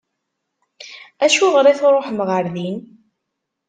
Acuɣer i tṛuḥem ɣer din?